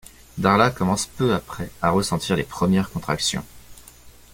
Darla commence peu après à ressentir les premières contractions.